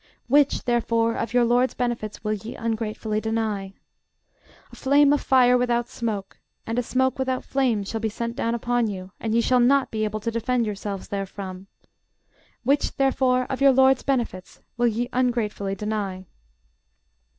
Which, therefore, of your LORD'S benefits will ye ungratefully deny? A flame of fire without smoke, and a smoke without flame shall be sent down upon you; and ye shall not be able to defend yourselves therefrom. Which, therefore, of your LORD'S benefits will ye ungratefully deny?